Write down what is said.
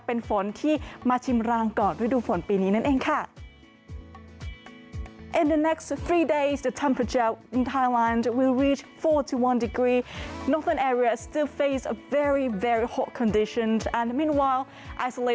เป็นฝนที่มาชิมรางก่อนฤดูฝนปีนี้นั่นเองค่ะ